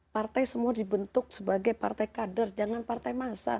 partai semua dibentuk sebagai partai kader jangan partai massa